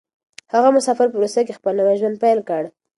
هغه مسافر په روسيه کې خپل نوی ژوند پيل کړ.